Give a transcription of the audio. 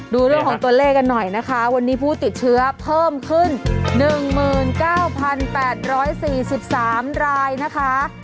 ดูเรื่องของตัวเลขกันหน่อยนะคะวันนี้ผู้ติดเชื้อเพิ่มขึ้น๑๙๘๔๓รายนะคะ